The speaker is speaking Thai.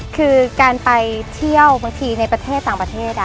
คือการไปเที่ยวบางทีในประเทศต่างประเทศ